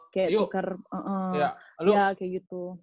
kayak tuker iya kayak gitu